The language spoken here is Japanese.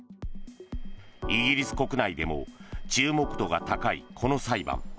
イギリス国内でも注目度が高いこの裁判。